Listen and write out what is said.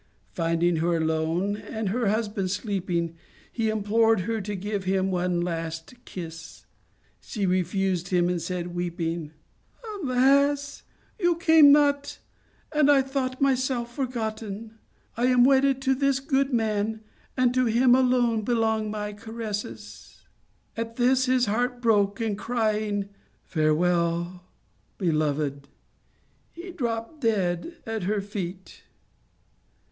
Finding her alone and her husband sleeping, he implored her to give him one last kiss. She refused, and said, weeping, c Alas ! you came not and I thought myself forgotten. I am wedded to this good man, and to him alone belong my caresses/ " At this his heart broke, and crying, ' Fare well, beloved !' he dropped dead at her feet.